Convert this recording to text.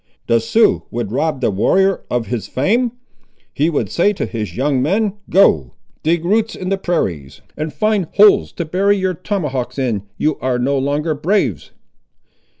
"The Sioux would rob the warrior of his fame? He would say to his young men, Go, dig roots in the prairies, and find holes to bury your tomahawks in; you are no longer braves!"